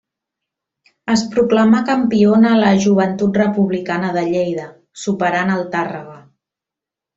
Es proclamà campiona la Joventut Republicana de Lleida, superant el Tàrrega.